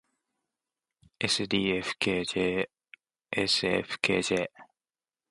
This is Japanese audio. ｓｄｆｋｊｓｆｋｊ